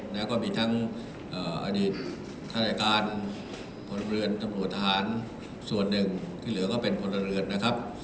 แล้วก็มีทั้งอดีตท่านอายการพลเรือนจำรวจทหารส่วนหนึ่งที่เหลือก็เป็นพลเรือนนะครับ